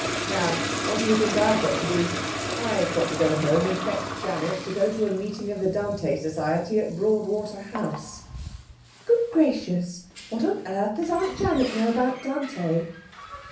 Now, what do you think I've got to do? I've got to go home and fetch Janet to go to a meeting of the Dante Society at Broadwater House.' 'Good gracious! What on earth does Aunt Janet know about Dante?'